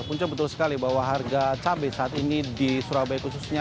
punca betul sekali bahwa harga cabai saat ini di surabaya khususnya